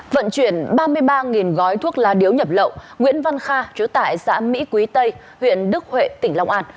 vận chuyển ba mươi ba gói thuốc lá điếu nhập lậu nguyễn văn kha chú tại xã mỹ quý tây huyện đức huệ tỉnh long an